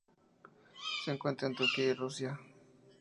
Se encuentra en Turquía y Rusia.